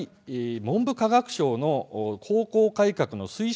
文部科学省の高校改革の推進